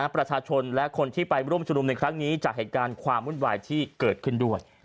ประชาชนและคนที่ไปร่วมชุมนุมในครั้งนี้จากเหตุการณ์ความวุ่นวายที่เกิดขึ้นด้วย